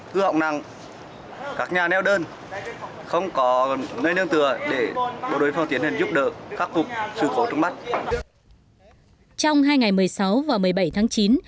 trong hai ngày một mươi sáu và một mươi bảy tháng chín bộ đội biên phòng đồn cửa việt đã về giúp